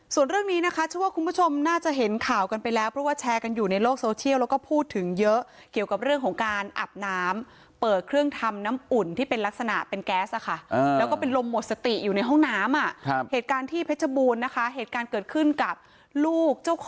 ส่วนเรื่องนี้นะคะเชื่อว่าคุณผู้ชมน่าจะเห็นข่าวกันไปแล้วเพราะว่าแชร์กันอยู่ในโลกโซเชียลแล้วก็พูดถึงเยอะเกี่ยวกับเรื่องของการอาบน้ำเปิดเครื่องทำน้ำอุ่นที่เป็นลักษณะเป็นแก๊สค่ะแล้วก็เป็นลมหมดสติอยู่ในห้องน้ำอ่ะครับเหตุการณ์ที่เพชรบูรณ์นะคะเหตุการณ์เกิดขึ้นกับลูกเจ้าของ